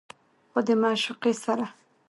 خو د معشوقې سره